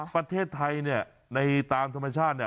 ประเทศไทยเนี่ยในตามธรรมชาติเนี่ย